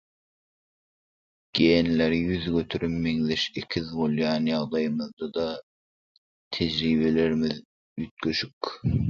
Genleri ýüz göterim meňzeş ekiz bolaýan ýagdaýymyzda-da tejribelerimiz üýtgeşik.